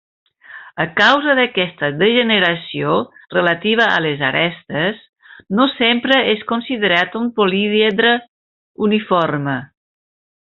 A causa d'aquesta degeneració relativa a les arestes, no sempre és considerat un políedre uniforme.